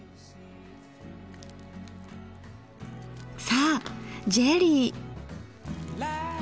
さあジェリー。